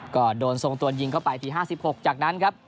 ก็โดนทรงตัวยิงเข้าไปที๕๖จากนั้นครับ